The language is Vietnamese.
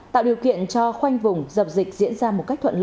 tạo điều kiện cho khoanh vùng dập dịch diễn ra một cách thuận lợi